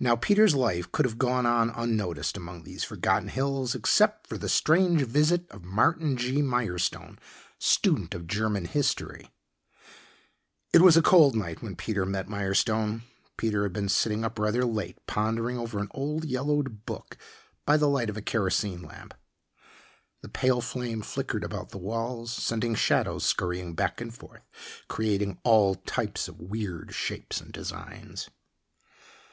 Now, Peter's life could have gone on unnoticed among these forgotten hills, except for the strange visit of Martin G. Mirestone, student of German history. It was a cold night when Peter met Mirestone. Peter had been sitting up rather late pondering over an old, yellowed book by the light of a kerosene lamp. The pale flame flickered about the walls sending shadows scurrying back and forth creating all types of weird shapes and designs.